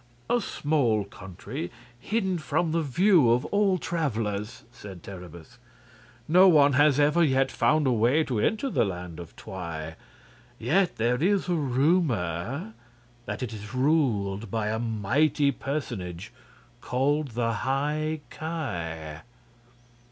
"A small country hidden from the view of all travelers," said Terribus. "No one has ever yet found a way to enter the land of Twi; yet there is a rumor that it is ruled by a mighty personage called the High Ki."